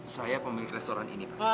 saya pemilik restoran ini pak